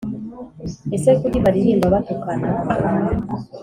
Ese kuki baririmba batukana